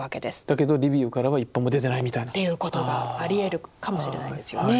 だけどリビウからは一歩も出てないみたいな。っていうことがありえるかもしれないですよね。